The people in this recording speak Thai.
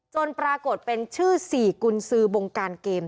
ปรากฏเป็นชื่อ๔กุญสือบงการเกม